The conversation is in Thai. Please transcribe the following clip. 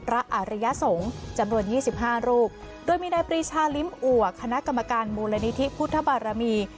อาริยสงฆ์จำนวนยี่สิบห้ารูปโดยมีนายปรีชาลิ้มอัวคณะกรรมการมูลนิธิพุทธบารมี